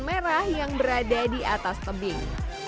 merah yang berada di atas tebing